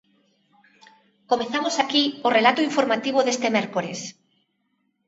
Comezamos aquí o relato informativo deste mércores.